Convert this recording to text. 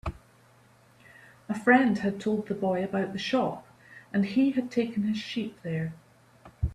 A friend had told the boy about the shop, and he had taken his sheep there.